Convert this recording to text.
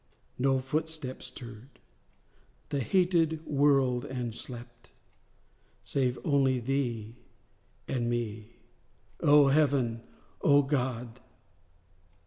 No footstep stirred: the hated world all slept, Save only thee and me. (Oh, Heaven!—oh, God!